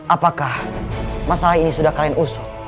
apakah masalah ini sudah kalian usul